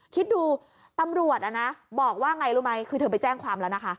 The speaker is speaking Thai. คิดดูตำรวจบอกว่าไงรู้ไหมคือเธอไปแจ้งความแล้วนะคะ